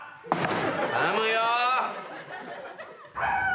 頼むよ！